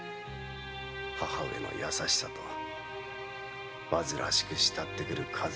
母上の優しさとわずらわしく慕ってくる数馬が。